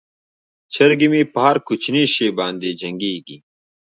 چرګې مې په هر کوچني شي باندې جنګیږي.